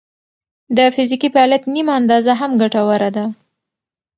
د فزیکي فعالیت نیمه اندازه هم ګټوره ده.